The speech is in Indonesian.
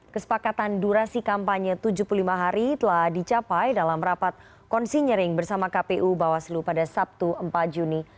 kesepakatan durasi kampanye tujuh puluh lima hari telah dicapai dalam rapat konsinyering bersama kpu bawaslu pada sabtu empat juni